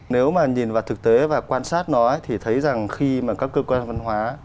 nếu mà nhìn vào thực tế và quan sát nó thì thấy rằng khi mà các cơ quan văn hóa